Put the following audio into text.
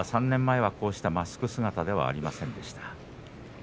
３年前はマスク姿ではありませんでした。